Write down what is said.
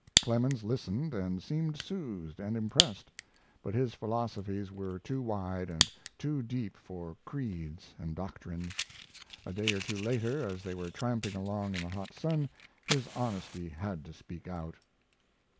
Clemens listened and seemed soothed and impressed, but his philosophies were too wide and too deep for creeds and doctrines. A day or two later, as they were tramping along in the hot sun, his honesty had to speak out.